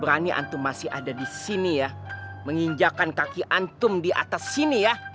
berani antu masih ada di sini ya menginjakan kaki antum di atas sini ya